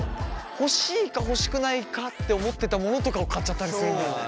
欲しいか欲しくないかって思ってたものとかを買っちゃったりするんだよね。